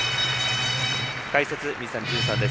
解説、水谷隼さんです。